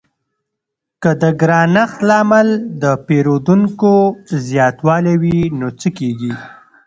که د ګرانښت لامل د پیرودونکو زیاتوالی وي نو څه کیږي؟